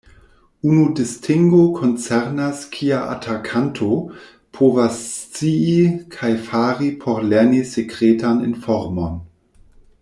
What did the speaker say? Unu distingo koncernas kia atakanto povas scii kaj fari por lerni sekretan informon.